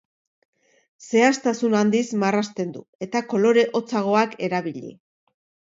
Zehaztasun handiz marrazten du eta kolore hotzagoak erabili.